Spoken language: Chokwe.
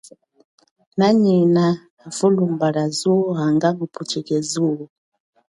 Nanyina hafulumba lia zuwo hanga ngupuchike zuwo.